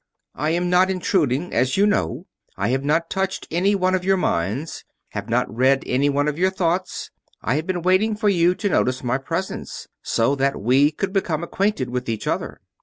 "I am not intruding, as you know. I have not touched any one of your minds; have not read any one of your thoughts. I have been waiting for you to notice my presence, so that we could become acquainted with each other.